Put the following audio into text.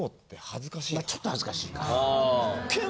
まあちょっと恥ずかしいか。